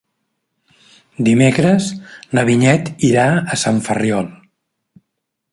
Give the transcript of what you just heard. Dimecres na Vinyet irà a Sant Ferriol.